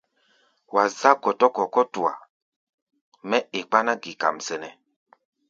Wa zá̧ gɔtɔ-kɔ̧ kútua mɛ́ e kpáná-gi-kam sɛnɛ́.